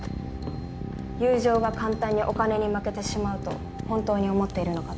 「友情が簡単にお金に負けてしまうと本当に思っているのか？」